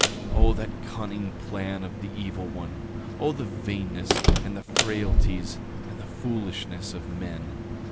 9:28 O that cunning plan of the evil one! O the vainness, and the frailties, and the foolishness of men!